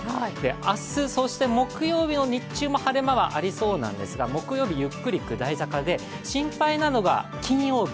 明日、そして木曜日も日中は晴れ間がありそうなんですが木曜日ゆっくり下り坂で、心配なのが金曜日。